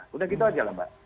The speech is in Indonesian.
sudah gitu aja lah mbak